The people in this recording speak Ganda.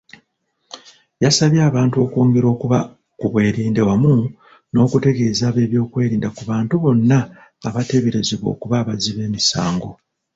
Yasabye abantu okwongera okuba kubwerinde wamu n'okutegeeza abebyokwerinda ku bantu bonna bebateebereza okuba abazzi b'emisango.